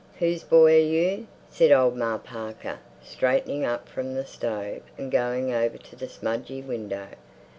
"Whose boy are you?" said old Ma Parker, straightening up from the stove and going over to the smudgy window.